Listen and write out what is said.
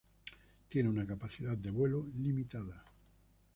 Tiene una capacidad de vuelo limitada.